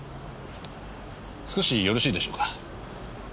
少しよろしいでしょうか？